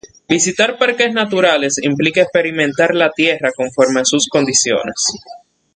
Visitar parques naturales implica experimentar la tierra conforme a sus condiciones.